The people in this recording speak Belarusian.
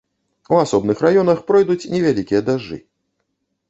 У асобных раёнах пройдуць невялікія дажджы.